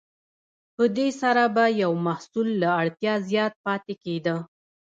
په دې سره به یو محصول له اړتیا زیات پاتې کیده.